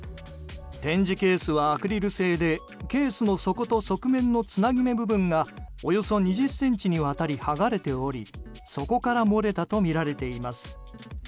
展示ケースはアクリル製でケースの底と側面のつなぎ目部分がおよそ２０ｃｍにわたり剥がれておりそこから漏れたとみられています。